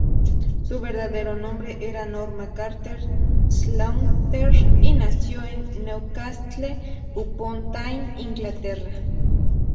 Su verdadero nombre era Norman Carter Slaughter, y nació en Newcastle upon Tyne, Inglaterra.